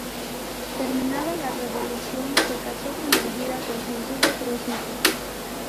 Terminada la revolución se casó con Elvira con quien tuvo tres hijos.